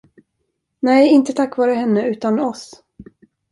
Nej, inte tack vare henne, utan oss.